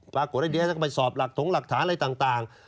ปรากฏว่าเดี๋ยวฉันก็ไปสอบหลักถงหลักฐานอะไรต่าง